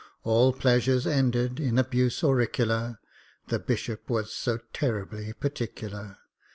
All pleasures ended in abuse auricular— The Bishop was so terribly particular.